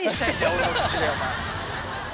俺の口でお前。